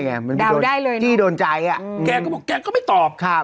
อ่ะมันดาวน์ได้เลยที่โดนใจอ่ะอืมแกก็บอกแกก็ไม่ตอบครับ